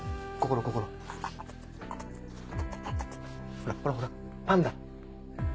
ほらほらほらパンダ。